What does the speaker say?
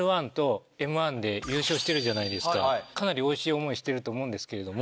かなりオイシい思いしてると思うんですけれども。